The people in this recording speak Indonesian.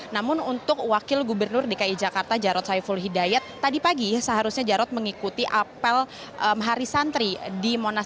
namun untuk wakil gubernur dki jakarta jarod saiful hidayat tadi pagi seharusnya jarod mengikuti apel hari santri di monas